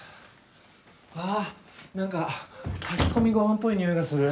あぁなんか炊き込みご飯っぽい匂いがする。